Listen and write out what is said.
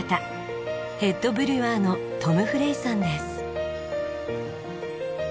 ヘッドブリュワーのトム・フレイさんです。